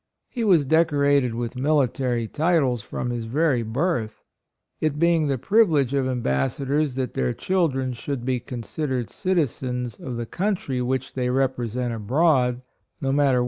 He was decorated with mili tary titles from his very birth. It being the privilege of Ambassadors that their children should be con sidered citizens of the country which they represent abroad, no matter Q* 25 26 HIS BIRTH, EDUCATION.